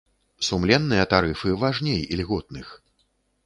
Сумленныя тарыфы важней ільготных.